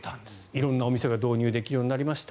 色んなお店が導入できるようになりました。